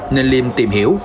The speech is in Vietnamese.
nên liêm tìm hiểu